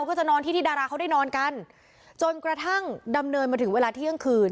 ก็จะนอนที่ที่ดาราเขาได้นอนกันจนกระทั่งดำเนินมาถึงเวลาเที่ยงคืน